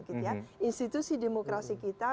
gitu ya institusi demokrasi kita